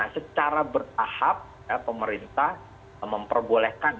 secara bertahap pemerintah memperbolehkan